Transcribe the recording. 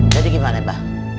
jadi gimana mbah